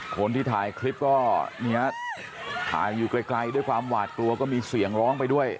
คนที่ถ่ายคลิปก็เนี่ยถ่ายอยู่ไกลด้วยความหวาดกลัวก็มีเสียงร้องไปด้วย